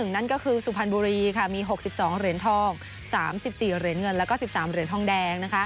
นั่นก็คือสุพรรณบุรีมี๖๒เหรียญทอง๓๔เหรียญเงินแล้วก็๑๓เหรียญทองแดง